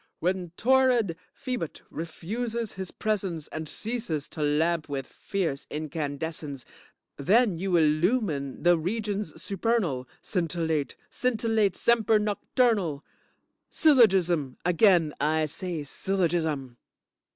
When torrid Phoebut refuses his presence and ceases to lamp with fierce incandescence, then you illumine the regions supernal, scintillate, scintillate, semper noctornal. Syllogism, again I say syllogism.